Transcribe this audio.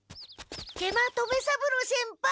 食満留三郎先輩！